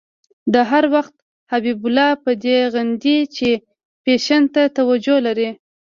ده هر وخت حبیب الله په دې غندی چې فېشن ته توجه لري.